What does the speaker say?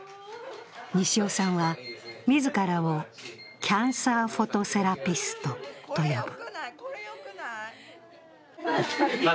西尾さんは自らを、キャンサーフォトセラピストと呼ぶ。